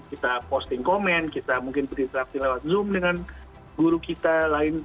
kita posting komen kita mungkin berinteraksi lewat zoom dengan guru kita lain